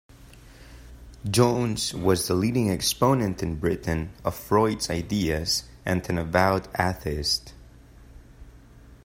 Jones was the leading exponent in Britain of Freud's ideas and an avowed atheist.